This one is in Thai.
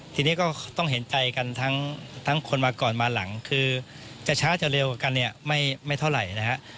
ทีนี้ก็ต้องเห็นใจกันทั้งคนมาก่อนมาหลังคือจะช้าจะเร็วกันเนี่ยไม่เท่าไหร่นะฮะ